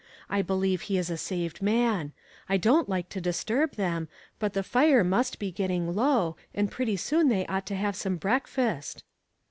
I believe he is a saved man. I don't like to disturb them, but the fire must be getting low, and pretty soon they ought to have some breakfast."